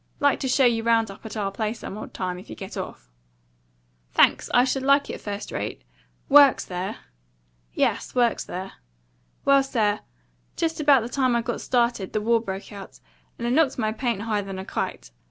"Like to show you round up at our place some odd time, if you get off." "Thanks. I should like it first rate. WORKS there?" "Yes; works there. Well, sir, just about the time I got started, the war broke out; and it knocked my paint higher than a kite.